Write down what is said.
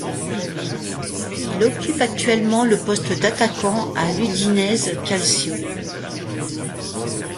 Il occupe actuellement le poste d'attaquant à l'Udinese Calcio.